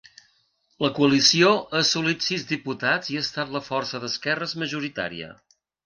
La coalició ha assolit sis diputats i ha estat la força d’esquerres majoritària.